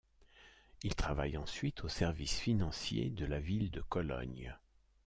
Il travaille ensuite au service financier de la ville de Cologne.